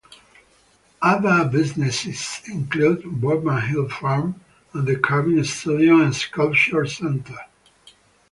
Other businesses include Boardman Hill Farm and the Carving Studio and Sculpture Center.